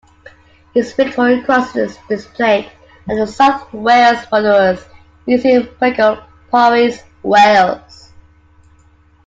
His Victoria Cross is displayed at the South Wales Borderers Museum, Brecon, Powys, Wales.